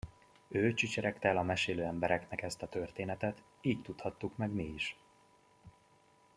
Ő csicseregte el a mesélő embernek ezt a történetet, így tudhattuk meg mi is.